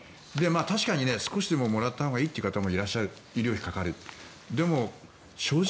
確かに少しでももらったほうがいいという方もいらっしゃる医療費がかかるし。